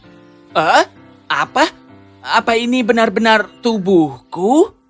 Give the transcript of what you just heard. hmm apa apa ini benar benar tubuhku